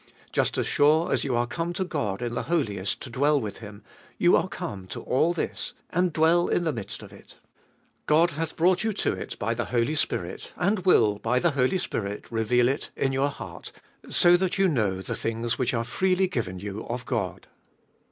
Just as sure as you are come to God in the Holiest, to dwell with Him, you are come x to all this, and dwell in the midst of it. God hath brought you to it by the Holy Spirit, and will, by the Holy Spirit, reveal it in your heart, so that you know the things which are freely given you of God.